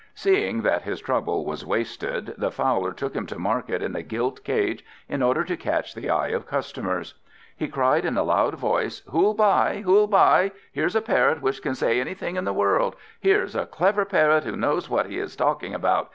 Seeing that his trouble was wasted, the Fowler took him to market in a gilt cage, in order to catch the eye of customers. He cried in a loud voice, "Who'll buy! who'll buy! here's a Parrot which can say anything in the world! Here's a clever Parrot who knows what he is talking about!